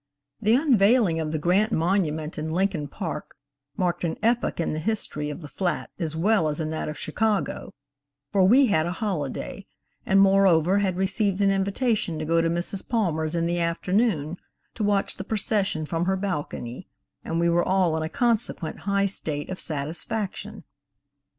THE unveiling of the Grant monument in Lincoln Park marked an epoch in the history of the flat as well as in that of Chicago, for we had a holiday, and moreover had received an invitation to go to Mrs. Palmer's in the afternoon to watch the procession from her balcony, and we were all in a consequent high state of satisfaction.